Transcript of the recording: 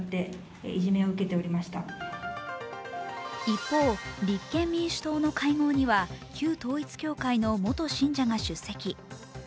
一方、立憲民主党の会合には旧統一教会の元信者が出席。